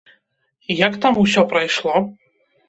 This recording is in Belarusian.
Як там усё прайшло?